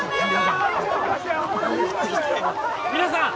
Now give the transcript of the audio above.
皆さん！